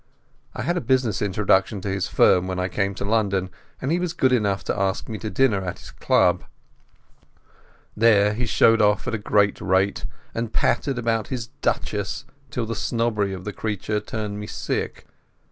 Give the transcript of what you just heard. I had a business introduction to his firm when I came to London, and he was good enough to ask me to dinner at his club. There he showed off at a great rate, and pattered about his duchesses till the snobbery of the creature turned me sick.